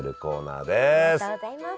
ありがとうございます。